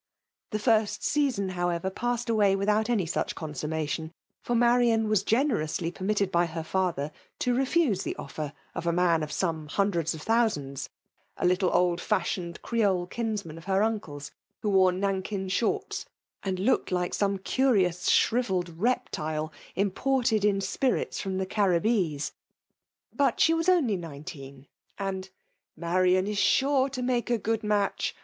* The first season, however, passed away with out any such consummation ; for Marian was^ generously permitted by her father to reftis^' the oflfer 6f a man of some hundreds of thoti " sands ; a little old fashioned creole kinsman of her uncle's, who wore nankin shoifts, and * looked like some curious shrivelled reptife,^' imported in spirits from the Caribbees. But ii « ji 45 ^^mol^een ; stud '^Marian ism^ Id make » ^xA ma.tch